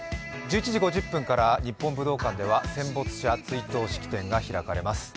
１１時５０分から日本武道館では戦没者追悼式典が行われます。